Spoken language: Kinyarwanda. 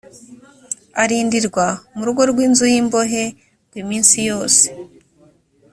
arindirwa mu rugo rw inzu y imbohe ngo iminsi yose